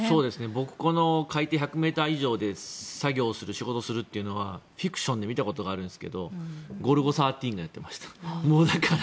僕この海底１００ｍ以上で作業する仕事というのはフィクションで見たことがあるんですけど「ゴルゴ１３」がやってました。